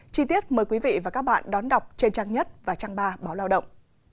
chi tiết mời quý vị và các bạn đón đọc trên trang nhất và trang ba báo lao động